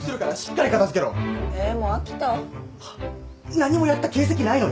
何もやった形跡ないのに！？